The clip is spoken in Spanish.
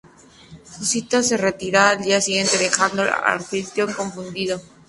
Su cita se retira al día siguiente, dejando al anfitrión confundido.